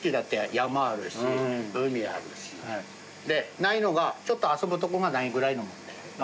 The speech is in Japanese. ないのがちょっと遊ぶとこがないぐらいのもんで。